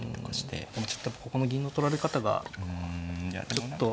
でもちょっとここの銀の取られ方がちょっと。